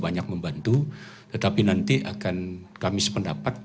banyak membantu tetapi nanti akan kami sependapat